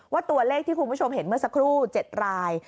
ตัวเลขที่คุณผู้ชมเห็นเมื่อสักครู่๗ราย